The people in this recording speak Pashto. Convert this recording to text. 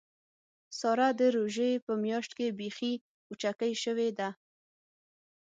ساره د روژې په میاشت کې بیخي وچکۍ شوې ده.